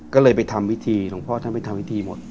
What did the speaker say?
ก็เลยไปทำวิธีหลวงพ่อท่านไปทำพิธีหมด